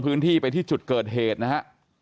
พื้นที่ไปที่จุดเกิดเหตุนะฮะ